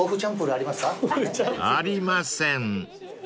［ありません］